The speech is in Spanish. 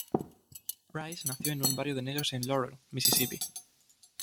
Price nació en un barrio de negros en Laurel, Misisipi.